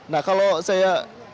nah kalau saya